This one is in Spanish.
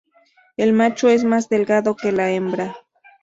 El macho es más delgado que la hembra.